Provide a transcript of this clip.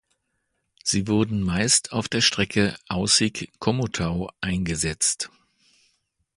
Sie wurden meist auf der Strecke Aussig–Komotau eingesetzt.